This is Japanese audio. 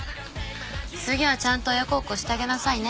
次はちゃんと親孝行してあげなさいね。